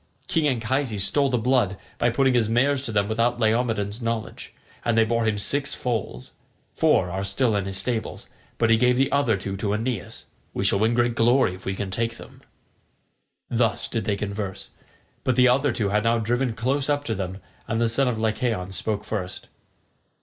King Anchises stole the blood by putting his mares to them without Laomedon's knowledge, and they bore him six foals. Four are still in his stables, but he gave the other two to Aeneas. We shall win great glory if we can take them." Thus did they converse, but the other two had now driven close up to them, and the son of Lycaon spoke first.